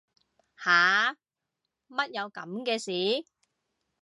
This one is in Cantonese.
吓乜有噉嘅事